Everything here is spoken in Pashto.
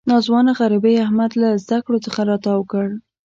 ناځوانه غریبۍ احمد له زده کړو څخه را تاو کړ.